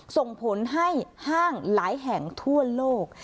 ส่งผลให้ห้างหลายแห่งทั่วโลก